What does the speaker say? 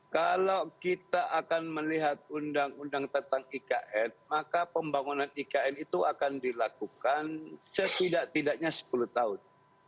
kalau kita akan melihat undang undang tentang ikn maka pembangunan ikn itu akan dilakukan setidak tidaknya sepuluh tahun